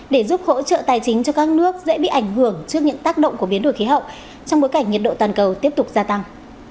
để giúp hỗ trợ tài chính cho các nước dễ bị ảnh hưởng trước những tác động của biến đổi khí hậu trong bối cảnh nhiệt độ toàn cầu tiếp tục gia tăng